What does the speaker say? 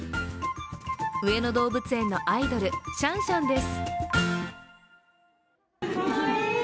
上野動物園のアイドル、シャンシャンです。